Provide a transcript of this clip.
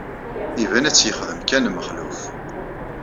Iban ad tt-yexdem kan Mexluf.